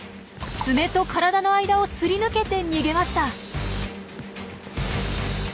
爪と体の間をすり抜けて逃げました。